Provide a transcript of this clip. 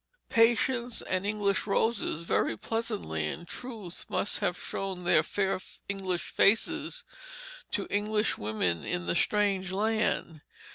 Patience and English roses very pleasantly in truth must have shown their fair English faces to English women in the strange land.